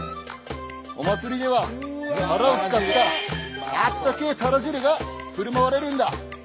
お祭りではタラを使ったあったけえタラ汁がふるまわれるんだ。